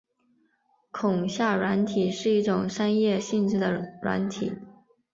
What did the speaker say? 恐吓软体是一种商业性质的软体。